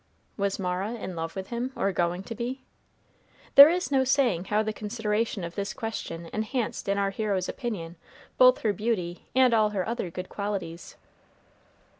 Was Mara in love with him, or going to be? There is no saying how the consideration of this question enhanced in our hero's opinion both her beauty and all her other good qualities.